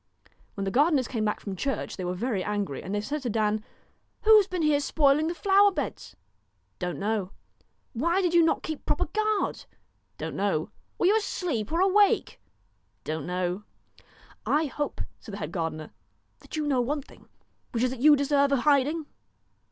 When the gardeners came back from church, they were very angry, and they said to Dan :' Who has been here spoiling the flower beds ?'* Don't know.' ' Why did you not keep proper guard? ' 1 Don't know.' I Were you asleep or awake ?'' Don't know.' I 1 hope,' said the head gardener, ' that you know one thing, which is that you deserve a hiding?'